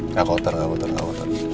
nggak kotor nggak kotor nggak kotor